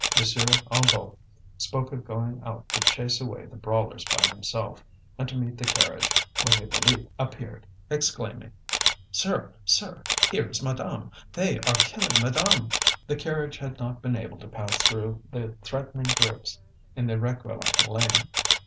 M. Hennebeau spoke of going out to chase away the brawlers by himself, and to meet the carriage, when Hippolyte appeared, exclaiming: "Sir! sir, here is madame! They are killing madame!" The carriage had not been able to pass through the threatening groups in the Réquillart lane.